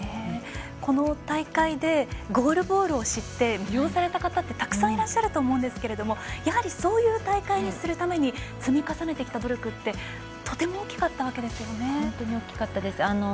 この大会でゴールボールを知って、魅了された方ってたくさんいると思うんですがやはりそういう大会にするために積み重ねてきた努力ってとても大きかったわけですよね。